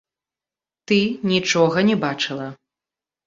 Ты нічога не бачыла!